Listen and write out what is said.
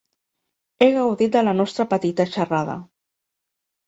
He gaudit de la nostra petita xerrada.